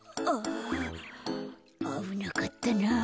あぶなかったな。